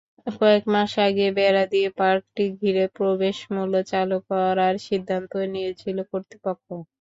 কয়েক মাস আগে বেড়া দিয়ে পার্কটি ঘিরে প্রবেশমূল্য চালু করার সিদ্ধান্ত নিয়েছিল কর্তৃপক্ষ।